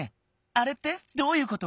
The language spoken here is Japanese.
あれってどういうこと？